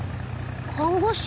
看護師？